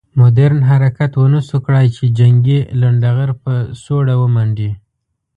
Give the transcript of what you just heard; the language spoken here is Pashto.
مدني حرکت ونه شو کړای چې جنګي لنډه غر په سوړه ومنډي.